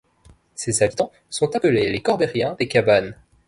Ses habitants sont appelés les Corbériens des Cabanes.